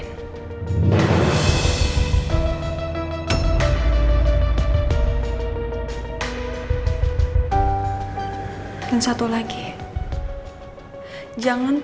apabila gak jadi ini